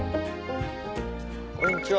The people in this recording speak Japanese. こんにちは。